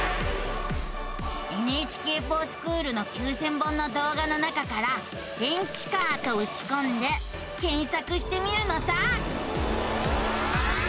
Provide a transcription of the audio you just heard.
「ＮＨＫｆｏｒＳｃｈｏｏｌ」の９，０００本の動画の中から「電池カー」とうちこんで検索してみるのさ。